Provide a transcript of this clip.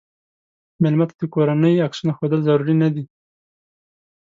مېلمه ته د کورنۍ عکسونه ښودل ضرور نه دي.